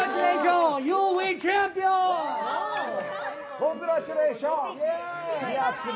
コングラッチュレーション。